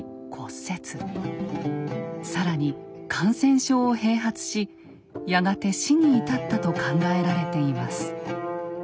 更に感染症を併発しやがて死に至ったと考えられています。